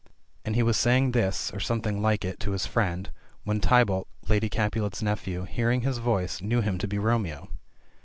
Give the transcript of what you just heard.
And he was saying this — or something like it — to his friend, when Tybalt, Lady Capulet's nephew, hearing his voice, knew him to be Romeo.